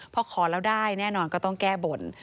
พอขอแล้วได้แน่นอนก็ต้องแก้บน